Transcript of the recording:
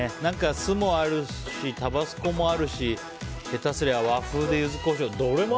酢もあるしタバスコもあるしへたすりゃ和風でユズコショウ。